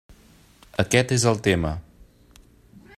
Aquest és el tema.